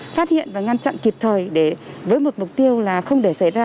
phát hiện và ngăn chặn kịp thời với một mục tiêu là không để xảy ra